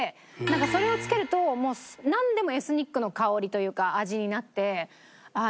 それをつけるともうなんでもエスニックの香りというか味になって。